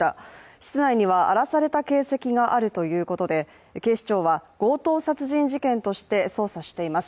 室内には荒らされた形跡があるということで警視庁は強盗殺人事件として捜査しています。